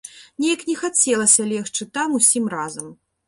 Неяк не хацелася легчы там усім разам.